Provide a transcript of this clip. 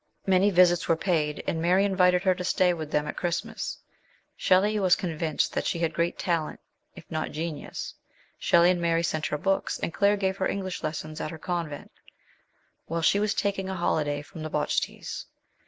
Many visits were paid, and Mary invited her to stay with them at Christmas. Shelley 10 * 148 MRS. SHELLEY. was convinced that she had great talent, if not genius. Shelley and Mary sent her books, and Claire gave her English lessons at her convent, while she was taking a holiday from the Bojtis.